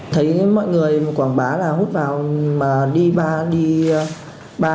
thấy mọi người quảng bá là hút vào mà đi ba đi ba